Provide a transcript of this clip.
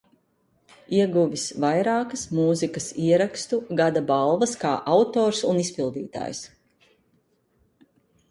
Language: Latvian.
Ieguvis vairākas Mūzikas Ierakstu Gada balvas kā autors un izpildītājs.